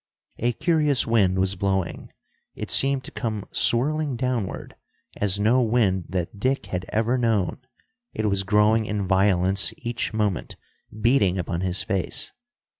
A curious wind was blowing. It seemed to come swirling downward, as no wind that Dick had ever known. It was growing in violence each moment, beating upon his face.